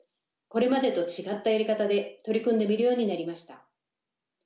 これまでと違ったやり方で取り組んでみるようになりました。